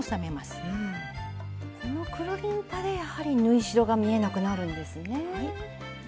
このくるりんぱでやはり縫い代が見えなくなるんですね。